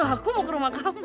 aku mau ke rumah kamu